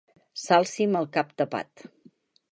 S'alci amb el cap tapat.